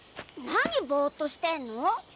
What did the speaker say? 何ボーッとしてんの？